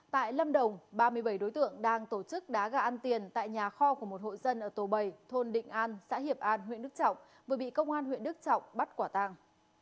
tại lâm đồng ba mươi bảy đối tượng đang tổ chức đá gà ăn tiền tại nhà kho của một hộ dân ở tổ bầy thôn định an xã hiệp an huyện đức trọng vừa bị công an huyện đức trọng bắt quả tàng